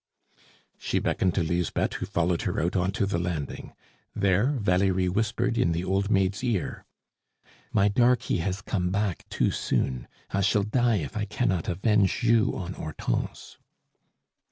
She beckoned to Lisbeth, who followed her out on to the landing. There Valerie whispered in the old maid's ear: "My darkie has come back too soon. I shall die if I cannot avenge you on Hortense!"